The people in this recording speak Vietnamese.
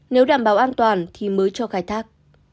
nếu đảm bảo an toàn thì mới cho khai thác